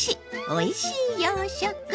おいしい洋食！」。